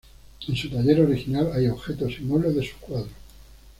En su taller original hay objetos y muebles de sus cuadros.